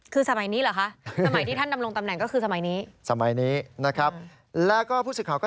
คือสมัยนี้เหรอคะ